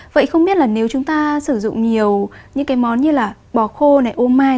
vậy không biết là nếu chúng ta sử dụng nhiều những cái món như là bò khô này ômai